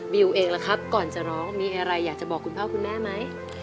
เองล่ะครับก่อนจะร้องมีอะไรอยากจะบอกคุณพ่อคุณแม่ไหม